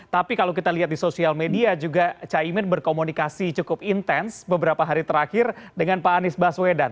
tapi kalau kita lihat di sosial media juga caimin berkomunikasi cukup intens beberapa hari terakhir dengan pak anies baswedan